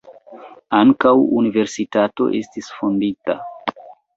Ankaŭ universitato estis fondita.